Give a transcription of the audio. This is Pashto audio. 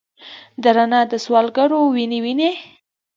د رڼا د څوسوالګرو، وینې، وینې